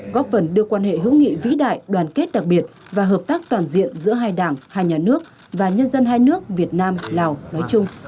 góp phần đưa quan hệ hữu nghị vĩ đại đoàn kết đặc biệt và hợp tác toàn diện giữa hai đảng hai nhà nước và nhân dân hai nước việt nam lào nói chung